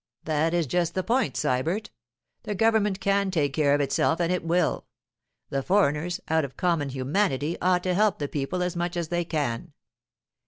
'That is just the point, Sybert. The government can take care of itself and it will. The foreigners, out of common humanity, ought to help the people as much as they can.